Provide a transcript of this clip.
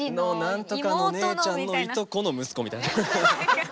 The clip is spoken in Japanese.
何とかの姉ちゃんのいとこの息子みたいな。